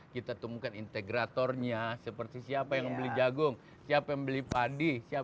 kita temukan integratornya seperti siapa yang beli jagung siapa yang beli padi siapa